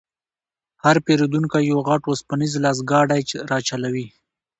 هر پېرونکی یو غټ وسپنیز لاسګاډی راچلوي.